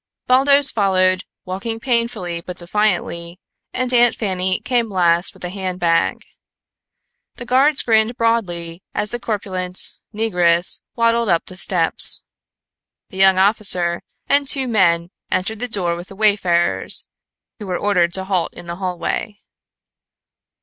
Baldos followed, walking painfully but defiantly, and Aunt Fanny came last with the handbag. The guards grinned broadly as the corpulent negress waddled up the steps. The young officer and two men entered the door with the wayfarers, who were ordered to halt in the hallway.